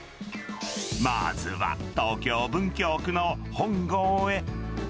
まずは東京・文京区の本郷へ。